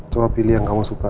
coba pilih yang kamu suka